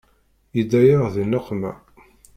Yedda-yaɣ di nneqma.